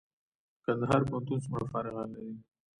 کندهار پوهنتون څومره فارغان لري؟